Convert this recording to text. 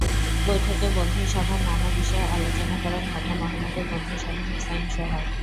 বৈঠকে বন্ধুসভার নানা বিষয়ে আলোচনা করেন ঢাকা মহানগর বন্ধুসভার হোসাইন সোহাগ।